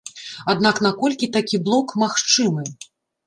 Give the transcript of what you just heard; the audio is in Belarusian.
Аднак наколькі такі блок магчымы?